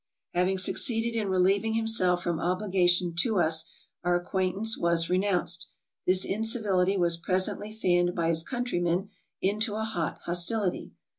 Having succeeded in relieving himself from obligation to us, our acquaintance was renounced. This incivility was presently fanned by his countrymen into a hot hostility.